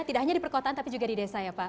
tidak hanya di perkotaan tapi juga di desa ya pak